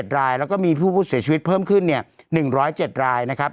๗รายแล้วก็มีผู้เสียชีวิตเพิ่มขึ้น๑๐๗รายนะครับ